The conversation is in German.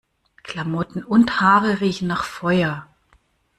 Klamotten und Haare riechen nach Feuer.